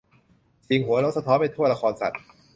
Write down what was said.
เสียงหัวเราะสะท้อนไปทั่วละครสัตว์